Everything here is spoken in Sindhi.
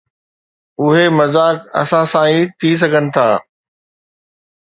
اهي مذاق اسان سان ئي ٿي سگهن ٿا.